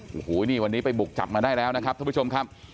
โอ้โหนี่วันนี้ไปบุกจับมาได้แล้วนะครับท่านผู้ชมครับ